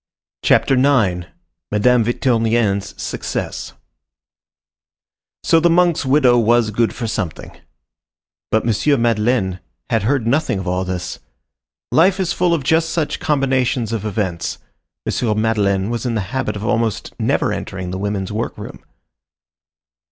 CHAPTER IX—MADAME VICTURNIEN'S SUCCESS So the monk's widow was good for something. But M. Madeleine had heard nothing of all this. Life is full of just such combinations of events. M. Madeleine was in the habit of almost never entering the women's workroom.